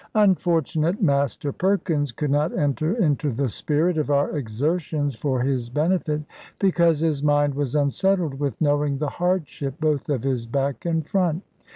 Unfortunate Master Perkins could not enter into the spirit of our exertions for his benefit; because his mind was unsettled with knowing the hardship both of his back and front.